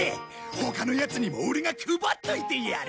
他のヤツにもオレが配っといてやる！